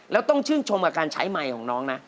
แล้วต้องชื่นชมกับการใช้ไมค์ของน้องนะ